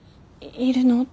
いるの！？